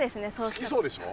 好きそうでしょ？